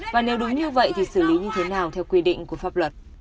và nếu đúng như vậy thì xử lý như thế nào theo quy định của pháp luật